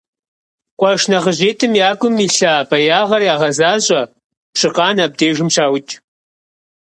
Къуэш нэхъыжьитӀым я гум илъа фӀеягъэр ягъэзащӀэ: Пщыкъан абдежым щаукӀ.